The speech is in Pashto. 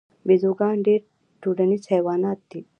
بیزوګان ډیر ټولنیز حیوانات دي